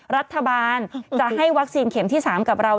รัฐบาลจะให้วัคซีนเข็มที่๓กับเรา